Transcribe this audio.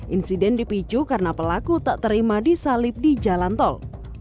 insiden dipicu karena pelaku tak terima disalib di jalan tol